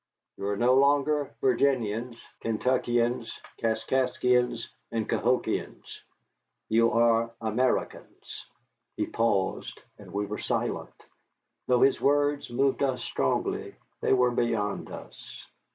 You are no longer Virginians, Kentuckians, Kaskaskians, and Cahokians you are Americans." He paused, and we were silent. Though his words moved us strongly, they were beyond us.